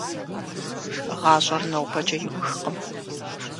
ГъащӀэр нобэкӀэ иухкъым…